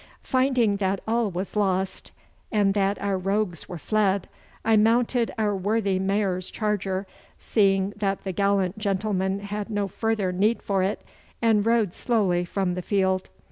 Finding that all was lost and that our rogues were fled, I mounted our worthy Mayor's charger, seeing that the gallant gentleman had no further need for it, and rode slowly from the field.